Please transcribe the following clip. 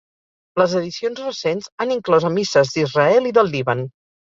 Les edicions recents han inclòs a misses d'Israel i del Líban.